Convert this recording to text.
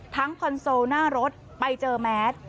คอนโซลหน้ารถไปเจอแมส